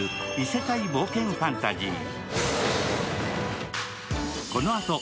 世界冒険ファンタジー。